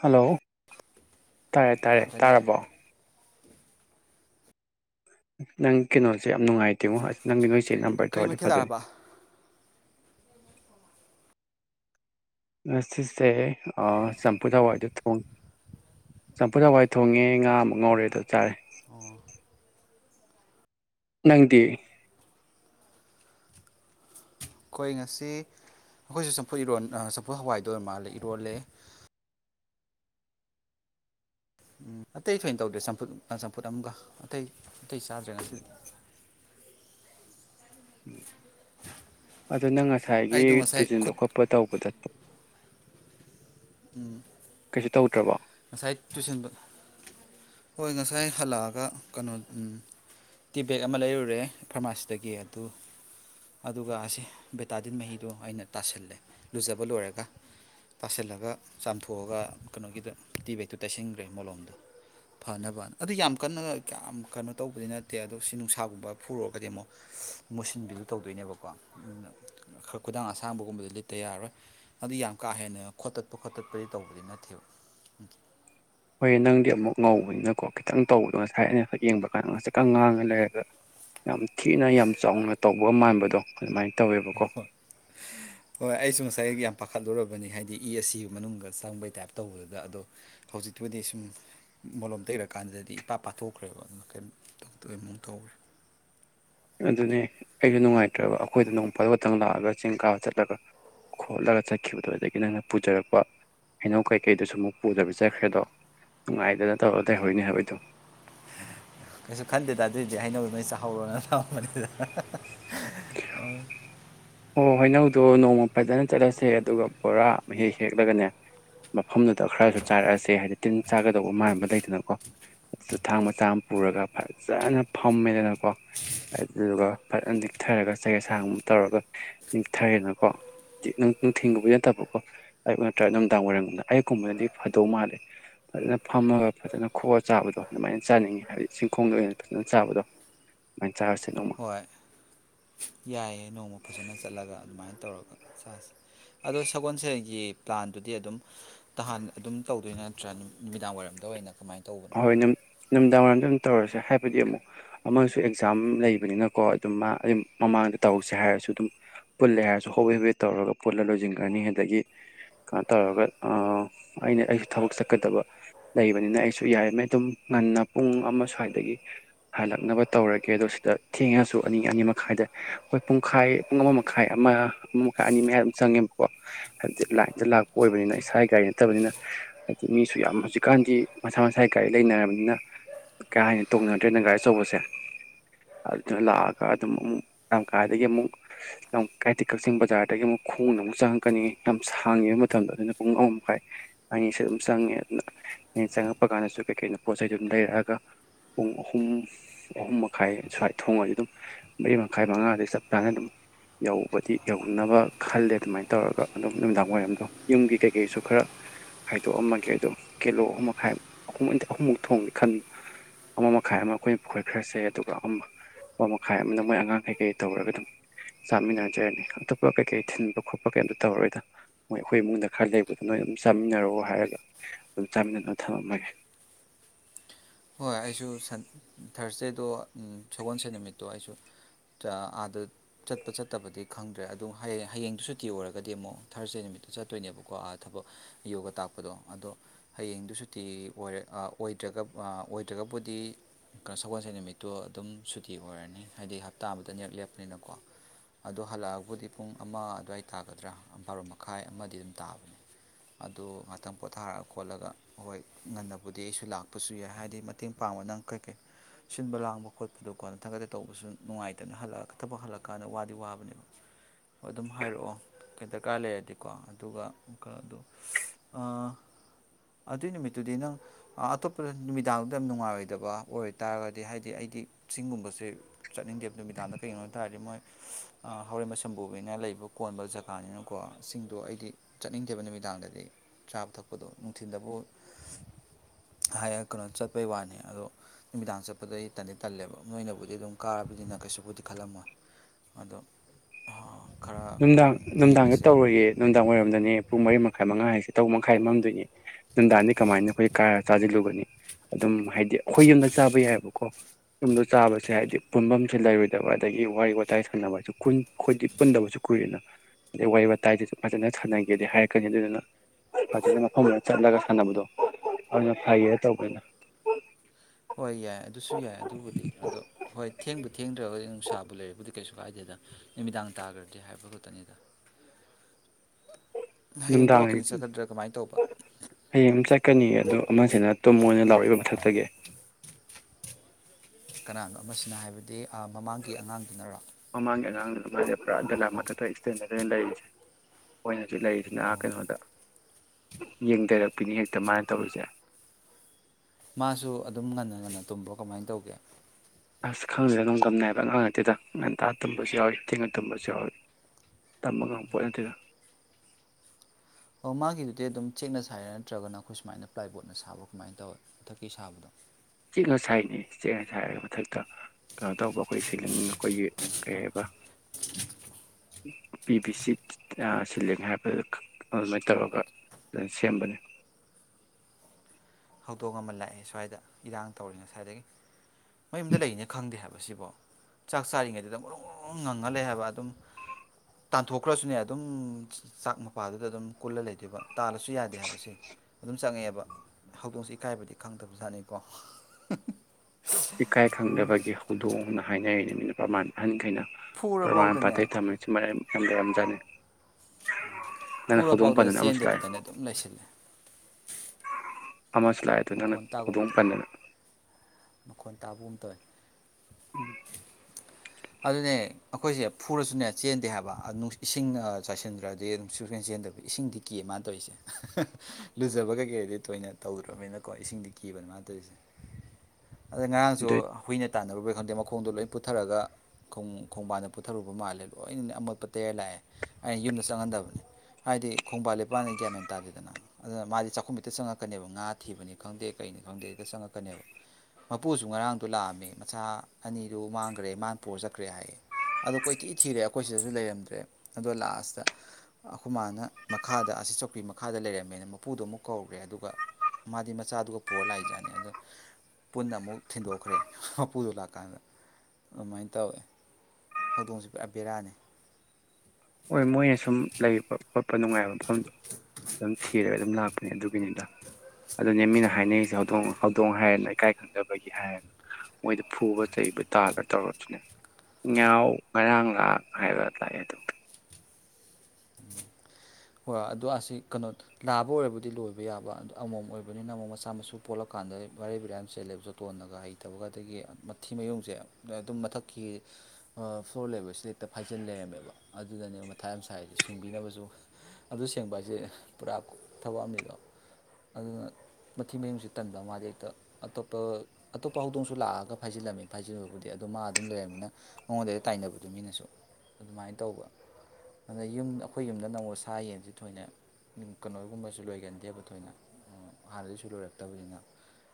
Hello ꯇꯥꯏꯋꯦ ꯇꯥꯏꯋꯦ ꯇꯥꯖꯔꯤ ꯇꯥꯔꯕꯣ꯫ ꯅꯪ ꯀꯩꯅꯣꯁꯦ ꯌꯥꯝꯅꯨꯡꯉꯥꯏ ꯇꯦꯡꯉꯣ ꯅꯪꯒꯤ ꯅꯣꯏꯆꯦ ꯅꯝꯕꯔ ꯀꯔꯤ ꯇꯧꯔꯗꯤ ꯃꯊꯦꯜ ꯐꯗꯣꯏꯅꯤ ꯇꯥꯔꯕ ꯉꯁꯤꯁꯦ ꯆꯝꯐꯨꯠ ꯑꯥ ꯍꯋꯥꯏꯗꯣ ꯊꯣꯡꯉꯦ ꯆꯝꯐꯨꯠ ꯍꯋꯥꯏ ꯊꯣꯡꯉꯦ ꯉꯥ ꯑꯃ ꯉꯧꯔꯦ ꯑꯗꯨ ꯆꯥꯔꯦ꯫ ꯅꯪꯗꯤ꯫ ꯑꯩꯈꯣꯏ ꯉꯁꯤ ꯑꯩꯈꯣꯏꯁꯨ ꯆꯝꯐꯨꯠ ꯏꯔꯣꯟ ꯆꯝꯐꯨꯠ ꯍꯋꯥꯏꯗꯣ ꯑꯣꯏ ꯃꯥꯜꯂꯦ ꯏꯔꯣꯜꯂꯦ꯫ ꯎꯝ ꯑꯇꯩ ꯊꯣꯏꯅ ꯇꯧꯗ꯭ꯔꯦ ꯆꯝꯐꯨꯠ ꯆꯝꯐꯨꯠ ꯑꯝꯒ ꯑꯇꯩ ꯑꯇꯩ ꯆꯥꯗ꯭ꯔꯦ ꯉꯁꯤ ꯑꯗꯨ ꯅꯉ ꯉꯁꯥꯏꯒꯤ ꯑꯩꯗꯣ ꯉꯁꯥꯏ ꯇꯨꯖꯤꯟꯕ ꯈꯨꯠ ꯈꯣꯠꯄ ꯇꯧꯕꯗ ꯎꯝ ꯀꯩꯁꯨ ꯇꯧꯗ꯭ꯔꯕꯣ ꯉꯁꯥꯏ ꯇꯨꯁꯟꯕ꯫ ꯍꯣꯏ ꯉꯁꯥꯏ ꯍꯜꯂꯛꯑꯒ ꯀꯩꯅꯣ ꯎꯝ ꯇꯤꯕꯦꯛ ꯑꯃ ꯂꯩꯔꯨꯔꯦ ꯐꯥꯔꯃꯥꯁꯤꯗꯒꯤ ꯑꯗꯨ ꯑꯗꯨꯒ ꯑꯁꯤ ꯕꯦꯇꯥꯗꯤꯟ ꯃꯍꯤꯗꯣ ꯑꯩꯅ ꯇꯁꯤꯜꯂꯦ ꯂꯨꯖꯕ ꯂꯣꯏꯔꯒ ꯇꯁꯤꯜꯂꯒ꯫ ꯆꯥꯝꯊꯣꯛꯑꯒ ꯀꯩꯅꯣꯒꯤꯗ ꯇꯤ ꯕꯦꯛꯇꯨ ꯇꯩꯁꯤꯟꯈ꯭ꯔꯦ ꯃꯣꯂꯣꯝꯗꯣ ꯐꯅꯕ ꯑꯗꯨ ꯌꯥꯝ ꯀꯟꯅ ꯀꯌꯥꯝ ꯀꯩꯅꯣ ꯇꯧꯕꯗꯤ ꯅꯠꯇꯦ ꯑꯗꯣ ꯁꯤ ꯅꯨꯡꯁꯥꯒꯨꯝꯕ ꯐꯨꯔꯒꯗꯤ ꯑꯃꯨꯛ ꯃꯨꯁꯤꯟꯕꯤꯗꯨ ꯇꯧꯗꯣꯏꯅꯦꯕꯀꯣ ꯑꯗꯨꯅ ꯈ꯭ꯔ ꯈꯨꯗꯥꯡ ꯑꯁꯥꯡꯕꯒꯨꯝꯕꯗꯤ ꯂꯤꯠꯇ ꯌꯥꯔꯔꯣꯏ ꯑꯗꯨ ꯌꯥꯝ ꯀꯥ ꯍꯦꯟꯅ ꯈꯣꯠꯇ ꯄꯨ ꯈꯠꯇꯠꯄꯗꯤ ꯇꯧꯕꯗꯤ ꯅꯠꯇꯦꯕ ꯍꯣꯏ ꯅꯪꯗꯤ ꯑꯃꯨꯛ ꯉꯧꯕꯅꯤꯅꯀꯣ ꯈꯤꯇꯪ ꯇꯧꯕꯗꯣ ꯉꯁꯥꯏ ꯑꯩꯅ ꯐꯠꯌꯦꯡꯕ ꯀꯥꯟꯗ ꯉꯁꯤꯛꯀ ꯉꯥꯡꯉ ꯂꯩꯔꯒ ꯌꯥꯝ ꯊꯤꯅ ꯌꯥꯝ ꯆꯥꯎꯅ ꯇꯧꯕ ꯃꯥꯟꯕꯗꯣ ꯑꯗꯨꯃꯥꯏ ꯍꯣꯏ ꯍꯣꯏ ꯑꯩꯁꯨ ꯉꯁꯥꯏ ꯌꯥꯝ꯫ ꯄꯥꯈꯠꯂꯨꯔꯕꯅꯤ ꯍꯥꯏꯗꯤ ꯏ ꯑꯁꯤ ꯃꯅꯨꯡꯗ ꯆꯪꯕꯩ ꯇꯥꯏꯞ ꯇꯧꯕꯗꯨꯗ ꯑꯗꯣ ꯍꯧꯖꯤꯛꯇꯨꯕꯨꯗꯤ ꯁꯨꯝ ꯃꯣꯂꯣꯝ ꯇꯩꯔ ꯀꯥꯟꯗꯗꯤ ꯏꯄꯥ ꯄꯥꯊꯣꯛꯈ꯭ꯔꯦꯕ ꯀꯩꯅꯣ ꯀꯩꯅꯣꯝ ꯇꯧꯔꯦ ꯑꯗꯨꯅꯦ ꯑꯩꯁꯨ ꯅꯨꯡꯉꯥꯏꯇ꯭ꯔꯦꯕ ꯑꯩꯈꯣꯏꯗ ꯅꯣꯡꯄꯥꯜ ꯈꯛꯇꯪ ꯂꯥꯛꯑꯒ ꯆꯤꯡ ꯀꯥꯕ ꯆꯠꯂꯒ ꯈꯣꯠꯂꯒ ꯆꯠꯈꯤꯕꯗꯣ ꯑꯗꯨꯗꯒꯤ ꯅꯪꯅ ꯄꯨꯖꯔꯛꯄ ꯍꯩꯅꯧ ꯀꯩꯀꯩꯗꯨꯁꯨ ꯑꯃꯨꯛ ꯄꯨꯗꯕꯤ ꯆꯠꯈ꯭ꯔꯦꯗꯣ ꯅꯨꯡꯉꯥꯏꯗꯅ ꯇꯧꯔꯒ ꯂꯩꯍꯧꯔꯤꯅꯦ ꯍꯥꯏꯕ ꯑꯩꯗꯣ꯫ ꯀꯩꯁꯨ ꯈꯟꯗꯦꯗ ꯑꯗꯨꯢꯗꯤ ꯍꯩꯅꯧ ꯅꯣꯏ ꯆꯥꯍꯧꯔꯣꯅ ꯊꯝꯃꯝꯕꯅꯤꯗ ꯍꯣ ꯍꯩꯅꯧꯗꯣ ꯅꯣꯡꯃ ꯐꯖꯅ ꯆꯠꯂꯁꯦ ꯑꯗꯨꯒ ꯄꯨꯔꯥ ꯃꯍꯤ ꯍꯦꯛꯂꯒꯅꯦ ꯃꯐꯝꯗꯨꯗ ꯈꯔꯁꯨ ꯆꯥꯔꯛ ꯑꯁꯦ ꯍꯥꯏꯗꯤ ꯇꯤꯟ ꯆꯥꯒꯗꯧꯕ ꯃꯥꯟꯕ ꯂꯩꯗꯅꯀꯣ ꯑꯗꯨꯗ ꯊꯥꯡ ꯃꯆꯥ ꯑꯃ ꯄꯨꯔꯒ ꯐꯖꯅ ꯐꯝꯃꯦꯗꯅꯀꯣ ꯑꯗꯨꯗꯨꯒ ꯐꯖꯅ ꯅꯤꯛꯊꯔꯒ ꯆꯩ ꯑꯁꯥꯡꯕ ꯇꯧꯔꯒ꯫ ꯅꯤꯡꯊꯔꯦꯅꯀꯣ ꯅꯨꯡꯊꯤꯟꯒꯨꯝꯕꯗꯤ ꯅꯠꯇꯕꯀꯣ ꯑꯌꯨꯛ ꯅꯠꯇ꯭ꯔꯒ ꯅꯨꯡꯗꯥꯡ ꯋꯥꯏꯔꯝꯒꯨꯝꯗ ꯑꯌꯨꯛꯀꯨꯝꯕꯗꯗꯤ ꯐꯗꯧ ꯃꯥꯜꯂꯦ ꯐꯖꯅ ꯐꯝꯃꯒ ꯐꯖꯅ ꯈꯣꯛꯑ ꯆꯥꯕꯗꯣ ꯑꯗꯨꯃꯥꯏꯅ ꯆꯥꯅꯤꯡꯉꯤ ꯍꯥꯏꯕꯗꯤ ꯆꯤꯡꯈꯣꯡꯗ ꯑꯣꯏꯅ ꯐꯖꯅ ꯆꯥꯕꯗꯣ ꯑꯗꯨꯃꯥꯏ ꯆꯥꯔꯁꯦ ꯅꯣꯡꯃ꯫ ꯍꯣꯏ ꯌꯥꯏꯌꯦ ꯅꯣꯡꯃ ꯐꯖꯅ ꯆꯠꯂꯒ ꯑꯗꯨꯃꯥꯏꯅ ꯇꯧꯔꯒꯥ ꯆꯁꯦ ꯑꯗꯣ ꯁꯒꯣꯜꯁꯦꯟꯒꯤ ꯄ꯭ꯂꯥꯟꯗꯨꯗꯤ ꯑꯗꯨꯝ ꯇꯍꯥꯟ ꯑꯗꯨꯝ ꯇꯧꯗꯣꯏ ꯅꯠꯇ꯭ꯔꯥ ꯅꯨꯃꯤꯗꯥꯡ ꯋꯥꯏꯔꯝꯗ ꯑꯣꯏꯅ꯫ ꯀꯃꯥꯏ ꯇꯧꯕꯅꯣ꯫ ꯗꯥꯎ ꯋꯥꯏꯔꯝꯗ ꯑꯗꯨꯝ ꯇꯧꯔꯁꯦ ꯍꯥꯏꯕꯗꯤ ꯑꯃꯨꯛ ꯑꯃꯁꯨ ꯑꯦꯛꯖꯥꯝ ꯂꯩꯕꯅꯤꯅꯀꯣ ꯑꯗꯨꯝ ꯃꯥ ꯑꯗꯨ ꯃꯃꯥꯡꯗ ꯇꯧꯁꯦ ꯍꯥꯏꯔꯁꯨ ꯑꯗꯨꯝ ꯄꯨꯜꯂꯦ ꯍꯥꯏꯔꯁꯨ ꯍꯣꯕꯦ ꯍꯣꯕꯦ ꯇꯧꯔꯒ ꯄꯨꯜꯂ ꯂꯣꯏꯁꯤꯟꯈ꯭ꯔꯅꯤ ꯑꯗꯒꯤ ꯀꯩꯅꯣ ꯇꯧꯔꯒ ꯑꯥ ꯑꯩꯅ ꯑꯩꯁꯨ ꯊꯕꯛ ꯆꯠꯀꯗꯕ ꯂꯩꯕꯅꯤꯅ ꯑꯩ ꯀꯁꯨ ꯌꯥꯏꯃꯦ ꯑꯗꯨꯝ ꯉꯟꯅ ꯄꯨꯡ ꯑꯃ ꯁ꯭ꯋꯥꯏꯗꯒꯤ ꯍꯜꯂꯛꯅꯕ ꯇꯧꯔꯒꯦ ꯑꯗꯣ ꯁꯤꯗ ꯊꯦꯡꯉꯁꯨ ꯑꯅꯤ ꯑꯅꯤ ꯃꯈꯥꯏꯗ ꯍꯣꯏ ꯄꯨꯡꯈꯥꯏ ꯄꯨꯡ ꯑꯃ ꯃꯈꯥꯏ ꯑꯃ ꯑꯃ ꯃꯈꯥꯏ ꯑꯅꯤ ꯃꯌꯥ ꯑꯗꯨꯝ ꯆꯪꯉꯦꯕꯀꯣ ꯍꯥꯏꯕꯗꯤ ꯂꯥꯏꯟꯗ ꯂꯥꯛꯄ ꯑꯣꯏꯕꯅꯤꯅ ꯏꯁꯥꯒꯤ ꯒꯥꯔꯤ ꯅꯠꯇꯕꯅꯤꯅ ꯍꯥꯏꯗꯤ ꯃꯤꯁꯨ ꯌꯥꯝ ꯍꯧꯖꯤꯛꯀꯥꯟꯗꯤ꯫ ꯃꯁꯥ ꯃꯁꯥꯒꯤ ꯒꯥꯔꯤ ꯂꯩꯅꯔꯕꯅꯤꯅ ꯀꯥ ꯍꯥꯏꯦꯟꯅ ꯇꯣꯡꯅꯗ꯭ꯔꯦꯅꯣ ꯒꯥꯔꯤ ꯑꯆꯧꯕꯁꯦ ꯑꯗꯨꯗ ꯂꯥꯛꯑꯒ ꯑꯗꯨꯝ ꯑꯃꯨꯛ ꯂꯝ ꯀꯥꯏꯗꯒꯤ ꯑꯃꯨꯛ ꯂꯝ ꯀꯥꯏꯗ ꯀꯛꯆꯤꯡ ꯕꯖꯥꯔꯗꯒꯤ ꯑꯃꯨꯛ ꯈꯣꯡꯅ ꯑꯃꯨꯛ ꯆꯪꯉꯛꯀꯅꯤꯉ ꯌꯥꯝ ꯁꯥꯡꯉꯤꯕ ꯃꯇꯝꯗꯣ ꯑꯗꯨꯅ ꯄꯨꯡ ꯑꯍꯨꯝ ꯃꯈꯥꯏ ꯑꯅꯤꯁꯦ ꯑꯗꯨꯝ ꯆꯪꯉꯦ ꯑꯗꯨꯅ ꯑꯩꯅ ꯆꯞꯄ ꯀꯥꯟꯗꯁꯨ ꯀꯩꯀꯩꯅꯣ ꯄꯣꯠ ꯆꯩ ꯑꯗꯨꯝ ꯂꯩꯔꯛꯑꯒ ꯄꯨꯡ ꯑꯍꯨꯝ ꯑꯍꯨꯝ ꯃꯈꯥꯏ ꯁ꯭ꯋꯥꯏ ꯊꯣꯡꯉꯗꯤ ꯑꯗꯨꯝ ꯃꯔꯤ ꯃꯈꯥꯏ ꯃꯉꯥꯗꯩ ꯆꯞꯄꯥꯟꯅ ꯑꯗꯨꯝ ꯌꯧꯕꯗꯤ ꯌꯧꯅꯕ ꯈꯜꯂꯦ ꯑꯗꯨꯃꯥꯏꯅ ꯇꯧꯔꯒ ꯑꯗꯨꯝ ꯅꯨꯃꯤꯗꯥꯡ ꯋꯥꯏꯔꯝꯗꯣ ꯌꯨꯝꯒꯤ ꯀꯩꯀꯩꯁꯨ ꯈꯔ ꯈꯥꯏꯗꯣꯛꯑꯝꯃꯒꯦ ꯑꯗꯣ ꯀꯤꯂꯣ ꯑꯍꯨꯝ ꯃꯈꯥꯏ ꯑꯍꯨꯝ ꯑꯍꯨꯝꯃꯨꯛ ꯊꯣꯡꯗꯤ ꯈꯟꯕ ꯑꯃ ꯃꯈꯥꯏ ꯑꯃ ꯑꯩꯈꯣꯏꯅ ꯄꯨꯈꯣꯏ ꯈꯔꯁꯩ ꯑꯗꯨꯒ ꯑꯃ ꯑꯃ ꯃꯈꯥꯏ ꯑꯃꯅ ꯃꯣꯏ ꯑꯉꯥꯡ ꯀꯩꯀꯩ ꯇꯧꯔꯒ ꯑꯗꯨꯝ ꯆꯥꯃꯤꯟꯅꯖꯔꯅꯤ ꯑꯇꯣꯞꯄ ꯀꯩꯀꯩ ꯊꯤꯟꯕ ꯈꯣꯠꯄ ꯀꯩꯝꯇ ꯇꯧꯔꯣꯏꯗ ꯃꯣꯏ ꯑꯩꯈꯣꯏ ꯏꯃꯨꯡꯗ ꯈꯔ ꯂꯩꯕꯗ ꯅꯣꯏ ꯑꯗꯨꯝ ꯆꯥꯃꯤꯟꯅꯔꯣ ꯍꯥꯏꯔꯒ ꯑꯗꯨꯝ ꯆꯥꯃꯤꯟꯅꯅ ꯊꯝꯃꯝꯃꯒꯦ ꯍꯣꯏ ꯑꯩꯁꯨꯟ ꯊꯥꯔꯁꯗꯦ ꯇꯣ ꯁꯒꯣꯜꯁꯦ ꯅꯨꯃꯤꯠꯇꯣ ꯑꯩꯁꯨ ꯑꯥꯗ ꯆꯠꯄ ꯆꯠꯇꯕꯗꯤ ꯈꯪꯗ꯭ꯔꯦ ꯑꯗꯨꯌꯦ ꯍꯌꯦꯡꯗꯨ ꯁꯨꯇꯤ ꯑꯣꯏꯔꯒꯗꯤ ꯑꯃꯨꯛ ꯊꯥꯔꯁꯗꯦ ꯅꯨꯃꯤꯠꯇ ꯆꯠꯇꯣꯏꯅꯦꯕꯀꯣꯥ ꯊꯕꯛ ꯌꯣꯒ ꯇꯥꯛꯄꯗꯣ ꯑꯗꯣ ꯍꯌꯦꯡꯗꯨ ꯁꯨꯇꯤ ꯑꯣꯏꯔꯦ ꯑꯣꯏꯗ꯭ꯔꯒ ꯑꯣꯏꯗ꯭ꯔꯒꯕꯨꯗꯤ ꯁꯒꯣꯜꯁꯦꯟ ꯅꯨꯃꯤꯠꯇꯨ ꯑꯗꯨꯝ ꯁꯨꯇꯤ ꯑꯣꯏꯔꯅꯤ ꯍꯥꯏꯗꯤ ꯍꯞꯇꯥ ꯑꯃꯗꯅꯤꯛ ꯂꯦꯞꯄꯅꯤꯅꯀꯣ ꯑꯗꯣ ꯍꯜꯂꯛꯑꯒꯕꯨꯗꯤ ꯄꯨꯡ ꯑꯃ ꯑꯗꯨꯋꯥꯏꯗ ꯇꯥꯒꯗ꯭ꯔꯥ ꯕꯥꯔꯣ ꯃꯈꯥꯏ ꯑꯃꯗꯤ ꯑꯗꯨꯝ ꯇꯥꯕꯅꯦ ꯑꯗꯨꯗ ꯉꯥꯛꯇꯪ ꯄꯣꯊꯥꯔꯒ ꯈꯣꯠꯂꯒ ꯍꯣꯏ ꯉꯟꯅꯕꯨꯗꯤ ꯑꯩꯁꯨ ꯂꯥꯛ ꯄꯥꯛꯄꯁꯨ ꯌꯥꯏ ꯍꯥꯏꯗꯤ ꯃꯇꯦꯡ ꯄꯥꯡꯕ ꯅꯪ ꯀꯩ ꯀꯩ ꯁꯤꯟꯕ ꯂꯥꯡꯕ ꯈꯣꯠꯄꯗꯣꯀꯣ ꯅꯊꯒꯛꯇ ꯇꯧꯕꯁꯨ ꯅꯨꯡꯉꯥꯏꯇꯅ ꯍꯂꯛ ꯊꯕꯛ ꯍꯜꯂꯛꯀꯥꯟꯗ ꯋꯥꯗꯤ ꯋꯥꯕꯅꯦꯕ ꯑꯗꯨꯝ ꯍꯥꯏꯔꯛꯑꯣ ꯗꯔꯀꯥꯔ ꯂꯩꯔꯗꯤꯀꯣ ꯑꯗꯨꯒ ꯑꯃꯨ ꯑꯗ ꯑꯗꯨꯏ ꯅꯨꯃꯤꯠꯇꯨꯗꯤ ꯅꯪ ꯑꯇꯣꯞ ꯄꯨ ꯅꯨꯃꯤꯗꯥꯡꯗꯨꯗ ꯌꯥꯝ ꯅꯨꯡꯉꯥꯏꯔꯣꯏꯗꯕ ꯑꯣꯏꯇꯥꯥꯔꯒꯗꯤ ꯍꯥꯏꯗꯤ ꯑꯩꯗꯤ ꯒꯨꯝꯕꯁꯦ ꯁꯤ ꯆꯠꯅꯤꯡꯗꯦꯕ ꯅꯨꯃꯤꯗꯥꯡꯗ ꯀꯩꯅꯅꯣ ꯍꯥꯏ ꯇꯥꯔꯗꯤ ꯃꯣꯏ ꯍꯥꯎꯔꯩꯃꯁꯝꯕꯨꯕꯤꯅ ꯂꯩꯕ ꯀꯣꯟꯕ ꯖꯒꯥꯅꯤꯅꯀꯣ ꯁꯤꯡꯗꯣ ꯑꯩꯗꯤ ꯆꯠꯅꯤꯡꯗꯦꯕ ꯅꯨꯃꯤꯗꯥꯡꯗꯗꯤ ꯆꯥꯕ ꯊꯛꯄꯗꯣ ꯅꯨꯡꯊꯤꯜꯗꯕꯨ ꯍꯥꯏ ꯀꯩꯅꯣ ꯆꯠꯄꯩ ꯋꯥꯅꯤ ꯑꯗꯣ ꯅꯨꯃꯤꯗꯥꯡ ꯆꯠꯄꯗꯩ ꯇꯟꯗꯤ ꯇꯜꯂꯦꯕ ꯅꯣꯏꯅꯕꯨꯗꯤ ꯑꯗꯨꯝ ꯀꯥꯔꯕꯅꯤꯅ ꯀꯩꯁꯨꯕꯨꯗꯤ ꯈꯜꯂꯝꯃꯣꯏ ꯑꯗꯣ ꯈꯔ ꯅꯨꯡꯗꯥꯡ ꯅꯨꯡꯗꯥꯡꯗ ꯌꯦꯡꯉꯁꯦ ꯇꯧꯔꯣꯏꯒꯦ ꯅꯨꯡꯗꯥꯡ ꯋꯥꯏꯔꯝꯗꯅꯦ ꯄꯨꯡ ꯃꯔꯤ ꯃꯈꯥꯏ ꯃꯉꯥ ꯍꯥꯏꯁꯤꯦ ꯇꯧ ꯃꯈꯥꯏ ꯑꯃꯝꯗꯣꯏꯅꯤ ꯅꯨꯡꯗꯥꯡꯗꯤ ꯀꯃꯥꯏꯅ ꯑꯩꯈꯣꯏ ꯀꯥꯔ ꯆꯥꯁꯤꯜꯂꯨꯒꯅꯤ ꯑꯗꯨꯝ ꯍꯥꯏꯗꯤ ꯑꯩꯈꯣꯏ ꯌꯨꯝꯗ ꯆꯥꯕ ꯌꯥꯏꯑꯕꯀꯣ ꯌꯨꯝꯗ ꯆꯥꯕꯁꯦ ꯍꯥꯏꯗꯤ ꯄꯨꯟꯐꯝꯁꯦ ꯂꯩꯔꯣꯏꯗꯕ ꯑꯗꯒꯤ ꯋꯥꯔꯤ ꯋꯥꯇꯥꯏ ꯁꯥꯟꯅꯕꯁꯨꯟ ꯑꯩꯈꯣꯏꯗꯤ ꯄꯨꯟꯗꯕꯁꯨ ꯀꯨꯏꯔꯅ ꯑꯗꯩ ꯋꯥꯔꯤ ꯋꯥꯇꯥꯏꯁꯤꯁꯨ ꯐꯖꯅ ꯁꯥꯟꯅꯒꯦꯗꯤ ꯍꯥꯏꯔꯛꯀꯅꯤ ꯑꯗꯨꯗꯨꯅ ꯐꯖꯅ ꯃꯐꯝꯗꯨꯗ ꯆꯠꯂꯒ ꯁꯥꯟꯅꯕꯗꯣ ꯑꯗꯨꯅ ꯐꯩꯌꯦ ꯇꯧꯕꯅꯤꯅ ꯍꯣꯏ ꯌꯥꯏ ꯑꯗꯨꯁꯨ ꯌꯥꯏ ꯑꯗꯨꯕꯨꯗꯤ ꯑꯗꯣ ꯍꯣꯏ ꯊꯦꯡꯕꯨ ꯊꯦꯡꯗ꯭ꯔꯒꯗꯤ ꯅꯨꯡꯁꯥꯕꯨ ꯂꯩꯔꯗꯤ ꯀꯩꯁꯨ ꯀꯥꯏꯗꯦꯗ ꯅꯨꯃꯤꯗꯥꯡ ꯇꯥꯈ꯭ꯔꯗꯤ ꯍꯥꯏꯕ ꯈꯛꯇꯅꯤꯗ ꯍꯌꯦꯡꯗꯤ ꯅꯨꯡꯗꯥꯡ ꯋꯥꯛꯀꯤꯡ ꯆꯠꯀꯗ꯭ꯔꯥ ꯀꯃꯥꯏꯅ ꯇꯧꯕ ꯍꯌꯦꯡ ꯆꯠꯀꯅꯤ ꯑꯗꯨ ꯑꯃꯁꯤꯅ ꯇꯣꯃꯣꯅ ꯂꯥꯎꯔꯛꯏꯕ ꯃꯊꯛꯇ ꯠꯇꯒꯦ ꯑꯗꯨ ꯃꯃꯥꯡꯒꯤ ꯑꯉꯥꯡꯗꯨꯅꯔꯣ ꯃꯃꯥꯡꯒꯤ ꯑꯉꯥꯡꯗꯨ ꯑꯗꯨꯃꯥꯏꯅ ꯄꯨꯔꯥꯂꯥ ꯃꯊꯛꯇ ꯏꯁꯇꯦꯟꯗꯔ ꯑꯣꯏꯅ ꯂꯩꯔꯤꯁꯦ ꯍꯧꯖꯤ ꯂꯩꯔꯤꯁꯤꯅ ꯑꯣ ꯀꯩꯅꯣꯗ ꯌꯦꯡꯊꯔꯛꯄꯤꯅꯤ ꯍꯦꯛꯇ ꯃꯥꯅ ꯇꯧꯔꯤꯁꯦ ꯃꯥꯁꯨ ꯑꯗꯨꯝ ꯉꯟꯅ ꯉꯟꯅ ꯇꯨꯝꯕ꯭ꯔꯣ ꯀꯃꯥꯏꯅ ꯇꯧꯒꯦ ꯑꯁ ꯈꯪꯗꯅ ꯑꯗꯨꯝ ꯉꯝꯅꯤꯕ ꯑꯉꯥꯡ ꯅꯠꯇꯦꯗ ꯉꯟꯇꯥ ꯇꯨꯝꯕꯁꯨ ꯌꯥꯎꯏ ꯇꯦꯡꯉ ꯇꯨꯝꯕꯁꯨ ꯌꯥꯎꯏ ꯇꯝꯕ ꯉꯕ ꯄꯣꯠ ꯅꯠꯇꯦꯗ ꯑꯣ ꯃꯥꯒꯤꯗꯨꯗꯤ ꯑꯗꯨꯝ ꯆꯦꯛꯅ ꯁꯥꯥꯏꯔꯦ ꯅꯠꯇ꯭ꯔꯒꯅ ꯑꯩꯈꯣꯏ ꯁꯨꯃꯥꯏꯅ ꯄ꯭ꯂꯥꯏꯕꯣꯔꯗꯅ ꯁꯥꯕ ꯀꯃꯥꯏꯅ ꯇꯧꯋꯦ ꯃꯊꯛꯀꯤ ꯁꯥꯕꯗꯣ ꯆꯦꯛꯅ ꯁꯥꯏꯅꯤ ꯆꯦꯡꯅ ꯁꯥꯏꯒꯤ ꯃꯊꯛꯇ ꯀꯩꯅꯣ ꯇꯧꯕ ꯑꯩꯈꯣꯏꯒꯤ ꯁꯤꯂꯤꯡ ꯑꯩꯈꯣꯏꯒꯤ ꯀꯩ ꯍꯥꯏꯕ ꯄꯤ ꯕꯤ ꯁꯤ ꯁꯤꯂꯤ ꯍꯥꯏꯕꯗꯨ ꯑꯗꯨꯃꯥꯏꯅ ꯇꯧꯔꯒ ꯁꯦꯝꯕꯅꯤ ꯐꯣꯗꯣꯛ ꯑꯃ ꯂꯥꯛꯑꯦ ꯁ꯭ꯋꯥꯏꯗ ꯏꯔꯥꯡ ꯇꯧꯔꯦ ꯉꯁꯥꯏꯗꯒꯤ ꯃꯌꯨꯝꯗ ꯂꯩꯅꯤ ꯈꯪꯗꯦ ꯍꯥꯏꯕ ꯁꯤꯕꯣ ꯆꯥꯛ ꯆꯥꯔꯤꯉꯩꯗꯨꯗ ꯑꯃꯔꯨ ꯉꯪꯍꯜꯂꯦ ꯍꯥꯏꯕ ꯑꯗꯨꯝ ꯇꯥꯟꯊꯣꯛꯈ꯭ꯔꯁꯨꯅꯦ ꯑꯗꯨꯝ ꯆꯥꯛ ꯃꯄꯥꯗꯨꯗ ꯑꯗꯨꯝ ꯀꯨꯜꯂ ꯂꯩꯗꯣꯏꯕ ꯇꯥꯜꯂꯁꯨ ꯌꯥꯗꯦ ꯍꯥꯏꯕꯁꯦ ꯑꯗꯨꯝ ꯆꯪꯉꯛꯦꯕ ꯍꯧꯗꯣꯡꯁꯦ ꯏꯀꯥꯏꯕꯗꯤ ꯈꯪꯗꯕ ꯁꯥꯠꯅꯩꯀꯣ ꯏꯀꯥꯏ ꯈꯪꯗꯕꯒꯤ ꯍꯧꯗꯣꯡꯅ ꯍꯥꯏꯅꯔꯤ ꯅꯨꯃꯤꯠ ꯃꯥꯟ ꯍꯥꯏꯅꯤ ꯑꯩꯈꯅ ꯄꯃꯥꯟ ꯐꯨꯔꯐꯥꯎꯗꯅꯦ ꯄꯥꯊꯩ ꯊꯝꯁꯤꯦ ꯃꯔꯗꯔꯝꯖꯅ ꯐꯨꯔ ꯐꯥꯎꯗ ꯄꯟꯗꯅ ꯑꯃꯁꯨ ꯂꯥꯛꯑꯦ ꯆꯦꯟꯗꯕꯤꯗꯅꯦ ꯑꯗꯨꯝ ꯂꯩꯁꯤꯜꯂꯦ ꯑꯃꯁꯨ ꯂꯥꯛꯑꯦ ꯑꯗꯨ ꯅꯪꯅ ꯃꯈꯣꯟ ꯇꯥꯕꯒꯨꯝ ꯍꯧꯗꯣꯡ ꯄꯟꯗꯅ ꯇꯧꯋꯦ [inaudible] ꯑꯗꯨꯅꯦ ꯑꯩꯈꯣꯏꯖꯦ ꯐꯨꯔꯁꯨꯅꯦ ꯆꯦꯟꯗꯦ ꯍꯥꯏꯕ ꯏꯁꯤꯡꯅ ꯆꯥꯏꯁꯤꯟꯗ꯭ꯔꯗꯤ ꯑꯗꯨꯝ ꯁꯨꯡꯆꯦꯟ ꯆꯦꯟꯗꯕ ꯏꯁꯤꯡꯗꯤ ꯀꯤꯌꯦ ꯃꯥꯟ ꯇꯧꯢꯁꯦ ꯂꯨꯖꯕ ꯀꯩꯀꯩꯗꯤ ꯇꯣꯢꯅ ꯇꯧꯗ꯭ꯔꯝꯃꯤꯅꯀꯣ ꯏꯁꯤꯡꯗꯤ ꯀꯤꯕꯅꯦ ꯃꯥ ꯇꯧꯢꯖꯦ ꯑꯗ ꯉꯔꯥꯡꯁꯨ ꯑꯗꯨꯏ ꯍꯨꯏꯅ ꯇꯥꯟꯅꯔꯨꯕ ꯈꯪꯗꯦ ꯃꯈꯣꯡꯗꯣ ꯂꯣꯏ ꯄꯨꯠꯊꯔꯒ ꯈꯣꯡ ꯈꯣꯡꯕꯥꯟꯗ ꯄꯨꯠꯊꯔꯨꯕ ꯃꯥꯜꯂꯦ ꯂꯣꯏꯅꯅꯦ ꯑꯃꯣꯠꯄ ꯇꯩꯔ ꯂꯥꯛꯑꯦ ꯑꯩꯅ ꯌꯨꯝꯗ ꯆꯪꯍꯟꯗꯕꯅꯤ ꯍꯥꯏꯗꯤ ꯈꯣꯡꯕꯥꯟ ꯂꯩꯄꯜꯗꯤ ꯒ꯭ꯌꯥꯟ ꯃꯦꯟ ꯇꯥꯗꯦꯗꯅ ꯑꯗꯨꯅ ꯃꯥꯗꯤ ꯆꯥꯛꯈꯨꯝ ꯍꯦꯛꯇ ꯆꯪꯉꯛ ꯉꯛꯀꯅꯦꯕ ꯉꯥ ꯊꯤꯕꯅꯤ ꯈꯪꯗꯦ ꯀꯩꯅꯦ ꯈꯪꯗꯦ ꯆꯉꯛꯀꯅꯦꯕ [inaudible] ꯃꯄꯨꯖꯨ ꯉꯔꯥꯡꯗꯣ ꯂꯥꯛꯑꯝꯃꯦ ꯃꯆꯥ ꯑꯅꯤꯗꯨ ꯃꯥꯡꯒ꯭ꯔꯦ ꯃꯥꯅ ꯄꯨꯔ ꯆꯠꯈ꯭ꯔꯦ ꯍꯥꯏꯌꯦ ꯑꯗꯣ ꯀꯣꯏꯊꯤ ꯊꯤꯔꯦ ꯑꯩꯈꯣꯏ ꯁꯤꯗꯁꯨ ꯂꯩꯔꯝꯗ꯭ꯔꯦ ꯑꯗꯣ ꯂꯥꯁꯇ ꯑꯩꯈꯣꯏ ꯃꯥꯅ ꯃꯈꯥꯗ ꯑꯁꯤ ꯆꯧꯀ꯭ꯔꯤ ꯃꯈꯥꯗ ꯂꯩꯔꯝꯃꯦꯅ ꯃꯄꯨꯗꯣ ꯑꯃꯨꯛ ꯀꯧꯒ꯭ꯔꯦ ꯑꯗꯨꯒ ꯃꯥꯗꯤ ꯃꯆꯥꯗꯨꯒ ꯄꯨꯔ ꯂꯥꯛꯏꯖꯥꯠꯅꯤ ꯑꯗꯣ ꯄꯨꯟꯅ ꯃꯨꯛ ꯊꯤꯟꯗꯣꯛꯈ꯭ꯔꯦ ꯃꯄꯨꯗꯨ ꯂꯥꯛꯀꯥꯟꯗ ꯑꯝꯃꯥꯏꯟ ꯇꯧꯋꯦ ꯍꯧꯗꯣꯡꯁꯤ ꯄꯨꯔꯥ ꯕꯦꯔꯥꯅꯤ ꯍꯣꯏ ꯃꯣꯏꯅ ꯁꯨꯝ ꯂꯩꯕ ꯈꯣꯠꯄ ꯅꯨꯡꯉꯥꯏꯕ ꯃꯐꯝꯗꯣ ꯑꯗꯨꯝ ꯊꯤꯔꯒ ꯑꯗꯨꯝ ꯂꯥꯛꯄꯅꯦ ꯑꯗꯨꯒꯤꯅꯤꯗ ꯑꯗꯨꯅꯦ ꯃꯤꯅ ꯍꯥꯏꯅꯩꯁꯦ ꯍꯧꯗꯣꯡ ꯍꯧꯗꯣꯡ ꯍꯥꯏꯔꯦꯅ ꯏꯀꯥꯏ ꯈꯪꯗꯕꯒꯤ ꯍꯥꯏꯔꯒ ꯃꯣꯏꯗ ꯐꯨꯕ ꯆꯩꯕ ꯇꯥꯟꯕ ꯇꯧꯔꯁꯨꯅꯦ ꯉꯦꯌꯥꯎ ꯉꯔꯥꯡ ꯂꯥ ꯍꯥꯏꯔ ꯂꯥꯛꯑꯦ ꯑꯗꯣ ꯍꯣꯏ ꯑꯗꯣ ꯑꯁꯤ ꯀꯩꯅꯣ ꯂꯥꯕ ꯑꯣꯏꯔꯕꯨꯗꯤ ꯂꯣꯏꯕ ꯌꯥꯕ ꯑꯗꯣ ꯑꯝꯃꯣꯝ ꯑꯣꯏꯕꯅꯤꯅ ꯑꯃꯨꯛ ꯃꯆꯥ ꯃꯁꯨ ꯄꯣꯜꯂꯛꯀꯥꯟꯗ ꯕꯦꯔꯤ ꯕꯦꯔꯥ ꯆꯦꯜꯂꯦ ꯖꯣꯇꯣꯟꯅꯒ ꯍꯩꯇꯕꯒ ꯑꯗꯒꯤ ꯃꯊꯤ ꯃꯌꯨꯡꯁꯦ ꯑꯗꯨꯝ ꯃꯊꯛꯀꯤ ꯐ꯭ꯂꯣꯔ ꯂꯦꯕꯩꯁꯤꯗꯩꯇ ꯐꯥꯏꯖꯤꯟ ꯂꯩꯔꯝꯃꯦꯕ ꯑꯗꯨꯗꯅꯦ ꯃꯊꯥꯏ ꯌꯥꯝ ꯁꯥꯏꯖꯦ ꯁꯦꯡꯕꯤꯅꯕꯖꯨ ꯑꯗꯨ ꯁꯦꯡꯕ ꯍꯥꯏꯖꯦ ꯄꯨꯔꯥ ꯊꯕꯛ ꯑꯝꯅꯤꯗꯣ ꯑꯗꯨꯅ ꯃꯊꯤ ꯃꯌꯨꯡꯖꯤ ꯇꯟꯕ ꯃꯥꯗꯤ ꯍꯦꯛꯇ ꯑꯇꯣꯞꯄ ꯑꯇꯣꯞꯄ ꯍꯧꯗꯣꯡꯁꯨ ꯂꯥꯛꯑꯒ ꯐꯥꯢꯖꯤꯜꯂꯝꯃꯦ ꯐꯥꯢꯖꯤꯟꯕꯕꯨꯗꯤ ꯑꯗꯣ ꯃꯥ ꯑꯗꯨꯝ ꯂꯩꯔꯝꯃꯤꯅ ꯃꯉꯣꯟꯗ ꯍꯦꯛ ꯇꯥꯏꯅꯕꯗꯣ ꯃꯤꯅꯁꯨ ꯑꯗꯨꯃꯥꯏꯟ ꯇꯧꯕ ꯑꯗ ꯌꯨꯝ ꯑꯩꯈꯣꯏ ꯌꯨꯝꯗ ꯅꯧꯅ ꯁꯥ ꯁꯥ ꯌꯦꯟꯖꯦ ꯊꯣꯏꯅ ꯀꯩꯅꯣꯒꯨꯝꯕꯁꯨ ꯂꯣꯏꯒꯟꯗꯦꯕ ꯊꯣꯏꯅ ꯍꯥꯟꯅꯗꯩꯁꯨ ꯂꯣꯏꯔꯛꯇꯕꯅꯤꯅ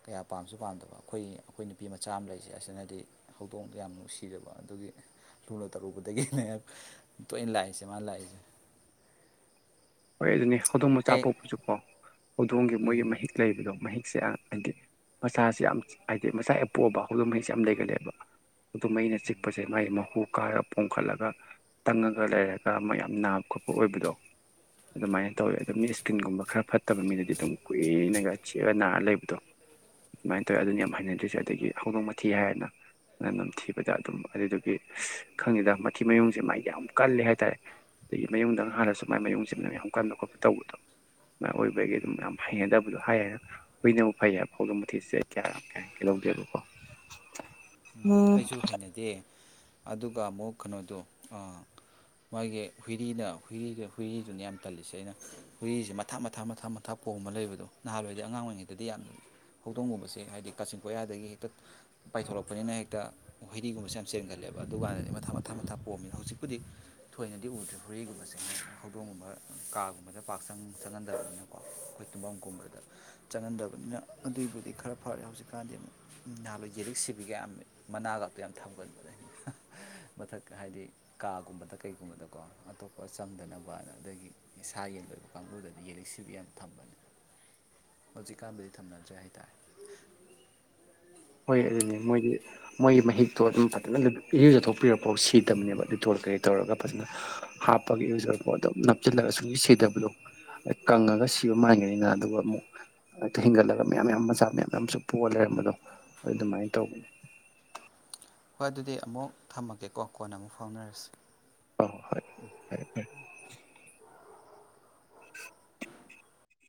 ꯀꯌꯥ ꯄꯥꯝꯁꯨ ꯄꯥꯝꯗꯕ ꯑꯩꯈꯣꯏ ꯑꯩꯈꯣꯏ ꯅꯨꯄꯤ ꯃꯆꯥ ꯑꯃ ꯂꯩꯁꯦ ꯑꯁꯤꯅꯗꯤ ꯍꯧꯗꯣꯡꯗꯣ ꯌꯥꯝ ꯅꯨꯡꯁꯤꯔꯕ ꯑꯗꯨꯒꯤ ꯂꯨꯅ ꯇꯧꯔꯨꯕꯗꯒꯤꯅꯦ ꯇꯣꯏꯅ ꯂꯥꯛꯏꯁꯦ ꯃꯥꯟ ꯂꯥꯛꯏꯁꯦ ꯍꯣꯏ ꯑꯗꯨꯅꯦ ꯍꯧꯗꯣꯡ ꯃꯆꯥ ꯍꯦꯛ ꯄꯣꯛꯄꯖꯨ ꯀꯣ ꯍꯧꯗꯣꯡꯒꯤ ꯃꯣꯏꯒꯤ ꯎꯝ ꯑꯗꯨꯃꯥꯏꯟ ꯇꯧꯋꯦ ꯑꯗꯨ ꯃꯤ ꯏꯁꯀꯤꯟꯒꯨꯝꯕ ꯈꯔ ꯐꯠꯇꯕ ꯃꯤꯗꯗꯤ ꯗꯨꯝ ꯀꯨꯏꯅꯒ ꯆꯤꯛꯑ ꯅꯥꯔ ꯂꯩꯕꯗꯣ ꯑꯗꯨꯃꯥꯏꯟ ꯇꯧꯋꯦ ꯑꯗꯨꯅꯦ ꯌꯥꯝ ꯍꯩꯅꯗ꯭ꯔꯤꯁꯦ ꯑꯗꯒꯤ ꯍꯧꯗꯣꯡ ꯃꯊꯤ ꯍꯥꯢꯔꯦꯟꯅ ꯃꯅꯝ ꯅꯝꯊꯤꯕꯗ ꯑꯗꯨꯝ ꯑꯗꯨꯗꯨꯒꯤ ꯈꯪꯗꯦꯗ ꯃꯊꯤ ꯃꯌꯨꯡꯖꯦ ꯃꯒꯤ ꯌꯥꯝ ꯀꯜꯂꯦ ꯍꯥꯏ ꯇꯥꯢꯌꯦ ꯑꯗꯒꯤ ꯃꯌꯨꯡꯗꯪ ꯍꯜꯂꯁꯨ ꯃꯥꯏ ꯃꯌꯨꯡ ꯁꯤꯝꯅ ꯌꯥꯝ ꯀꯟꯕ ꯈꯣꯠꯄ ꯇꯧꯕꯗꯣ ꯑꯗꯨꯃꯥꯏꯅ ꯑꯣꯏꯕꯒꯤ ꯑꯗꯨꯝ ꯌꯥꯝ ꯍꯩꯅꯗꯕꯗꯣ ꯍꯥꯏꯔ ꯍꯨꯏꯕ ꯐꯩ ꯍꯥꯏ ꯐꯥꯎꯗ ꯃꯊꯤꯁꯤꯗ ꯑꯩ ꯀꯌꯥ ꯀ ꯂꯧꯒꯦꯕꯀꯣ ꯑꯩꯁꯨ ꯍꯩꯅꯗꯦ ꯑꯗꯨꯒ ꯑꯃꯨꯛ ꯀꯩꯅꯣꯗꯣ ꯃꯥꯒꯤ ꯍꯨꯏꯔꯤꯗ ꯍꯨꯏꯔꯤꯗ ꯍꯨꯏꯔꯤꯗꯨꯅ ꯌꯥꯝ ꯇꯜꯂꯤꯁꯦ ꯑꯩꯅ ꯍꯨꯏꯔꯤꯁꯦ ꯃꯊꯥ ꯃꯊꯥ ꯃꯊꯥ ꯑꯗꯨꯒ ꯑꯃꯨꯀ ꯀꯅꯣꯗꯣ ꯃꯥꯒꯤ ꯍꯨꯏꯔꯤꯅ ꯃꯊꯥꯞ ꯄꯣꯝꯝꯕ ꯂꯩꯕꯗꯣ ꯅꯍꯥꯟꯋꯥꯏꯗꯤ ꯑꯉꯥꯡ ꯑꯣꯏꯔꯤꯉꯩꯗꯗꯤ ꯌꯥꯝꯅ ꯍꯧꯗꯣꯡꯒꯕꯁꯦ ꯍꯥꯏꯗꯤ ꯀꯥꯆꯤꯟ ꯀꯣꯌꯥꯗꯒꯤ ꯍꯦꯛꯇ ꯄꯥꯏꯊꯣꯔꯂꯛꯄꯅꯤꯅ ꯍꯦꯛꯇ ꯍꯛꯇ ꯍꯨꯏꯔꯤꯒꯨꯝꯕꯁꯦ ꯌꯥꯝ ꯆꯦꯟꯒꯠꯂꯦꯕ ꯑꯗꯨꯀꯥꯟꯗꯗꯤ ꯃꯊꯥ ꯃꯊꯥ ꯃꯊꯥ ꯄꯣꯑꯝꯃꯤꯅ ꯍꯧꯖꯤꯛꯄꯨꯗꯤ ꯊꯣꯏꯅꯗꯤ ꯎꯗ꯭ꯔꯦ ꯍꯣꯔꯤꯒꯨꯝꯕꯁꯦ ꯍꯧꯗꯣꯡꯒꯨꯝꯕ ꯀꯥꯒꯨꯝꯕꯗ ꯄꯥꯛꯪ ꯆꯪꯍꯟꯗꯕꯅꯤꯅꯀꯣ ꯑꯩꯈꯣꯏ ꯇꯨꯝꯐꯝꯒꯨꯝꯕꯗ ꯆꯪꯍꯟꯗꯕꯅꯤꯅ ꯑꯗꯨꯏꯕꯨꯗꯤ ꯈꯔ ꯐꯔꯦ ꯍꯧꯖꯤꯛꯀꯥꯟꯗꯤ ꯑꯃꯨꯛ ꯅꯍꯥꯟꯋꯥꯏ ꯌꯦꯔꯤꯛ ꯁꯤꯕꯤꯒ ꯌꯥꯝ ꯃꯅꯥꯒꯛꯇ ꯌꯥꯝ ꯊꯝꯒꯟꯕꯅꯦ ꯃꯊꯛ ꯍꯥꯏꯗꯤ ꯀꯥꯒꯨꯝꯕꯗ ꯀꯩꯒꯨꯝꯕꯗꯀꯣ ꯑꯇꯣꯞꯄ ꯆꯪꯗꯅꯕ ꯑꯗꯒꯤ ꯏꯁꯥ ꯌꯦꯟ ꯂꯣꯏꯕ ꯀꯥꯡꯕꯨꯗꯗꯤ ꯌꯦꯔꯤꯛꯁꯤꯕꯨ ꯌꯥꯝ ꯊꯝꯕꯅꯤ ꯍꯧꯖꯤꯛꯀꯥꯟꯗꯗꯤ ꯊꯝꯅꯗ꯭ꯔꯦ ꯍꯥꯏꯇꯥꯔꯦ ꯍꯣꯏ ꯑꯗꯨꯅꯦ ꯃꯣꯏꯒꯤ ꯃꯣꯏꯒꯤ ꯃꯍꯤꯛꯇꯣ ꯑꯗꯨꯝ ꯐꯖꯅ ꯏꯔꯨꯖꯊꯣꯛꯄꯤꯔꯛꯐꯥꯎ ꯁꯤꯗꯕꯅꯦꯕ ꯂꯤꯇꯣꯜ ꯀꯩ ꯇꯧꯔꯒ ꯐꯖꯅ ꯍꯥꯞꯄꯒ ꯏꯔꯨꯖꯔꯐꯥꯎ ꯑꯗꯨꯝ ꯅꯞꯁꯤꯜꯂꯒ ꯁꯨꯝ ꯁꯤꯗꯕꯗꯣꯗ ꯀꯪꯉꯒ ꯁꯤꯕ ꯃꯥꯟꯒꯅꯤꯅ ꯑꯗꯨꯒ ꯑꯃꯨꯛ ꯑꯛꯇ ꯍꯤꯡꯒꯠꯂꯒ ꯃꯌꯥꯝ ꯃ ꯃꯆꯥ ꯃꯌꯥꯝ ꯃꯌꯥꯝꯨ ꯄꯣꯛꯑꯒ ꯂꯩꯔꯝꯕꯗꯣ ꯑꯗꯨꯃꯥꯏꯅ ꯇꯧꯕꯅꯤ ꯍꯣꯏ ꯑꯗꯨꯗꯤ ꯑꯃꯨꯛ ꯊꯝꯃꯒꯦꯀꯣ ꯀꯣꯟꯅ ꯑꯃꯨꯛ ꯐꯥꯎꯅꯔꯁꯤ ꯑ ꯍꯣꯏ ꯍ ꯐꯔꯦ ꯐꯔꯦ